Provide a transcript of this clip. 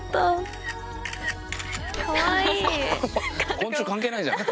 昆虫関係ないじゃん。